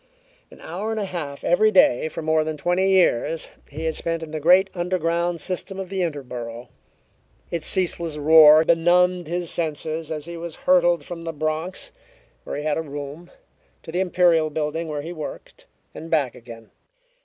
An hour and a half every day for more than twenty years he had spent in the great underground system of the Interborough. Its ceaseless roar benumbed his senses as he was hurtled from the Bronx, where he had a room, to the Imperial Building, where he worked, and back again.